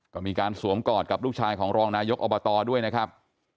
ก็มีการสวมกอดกับลูกชายของรองนายกอบตด้วยนะครับ